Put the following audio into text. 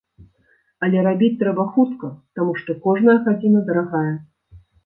Але рабіць трэба хутка, таму што кожная гадзіна дарагая.